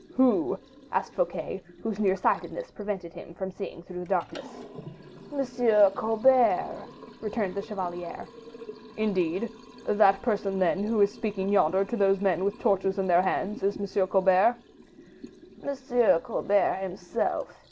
"Who?" asked Fouquet, whose near sightedness prevented him from seeing through the darkness. "M. Colbert," returned the chevalier. "Indeed! That person, then, who is speaking yonder to those men with torches in their hands, is M. Colbert?" "M. Colbert himself.